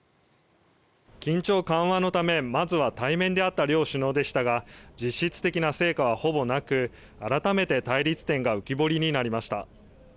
緊張緩和のため、まずは対面で会った両首脳でしたが実質的な成果はほぼなく改めて対立点が浮き彫りになりました。